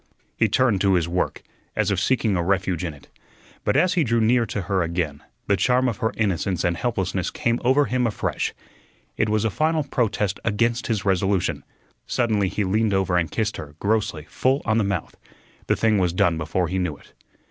He turned to his work, as if seeking a refuge in it. But as he drew near to her again, the charm of her innocence and helplessness came over him afresh. It was a final protest against his resolution. Suddenly he leaned over and kissed her, grossly, full on the mouth. The thing was done before he knew it.